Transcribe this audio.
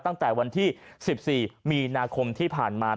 ตั้งแต่วันที่๑๔มีนาคมที่ผ่านมา